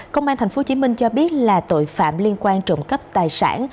công an tp hcm cho biết là tội phạm liên quan trụng cấp tài sản